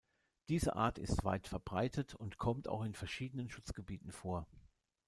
Diese Art ist weit verbreitet und kommt auch in verschiedenen Schutzgebieten vor.